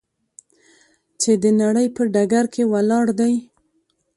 چې د نړۍ په ډګر کې ولاړ دی.